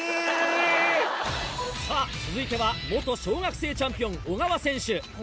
さぁ続いては小学生チャンピオン小川選手。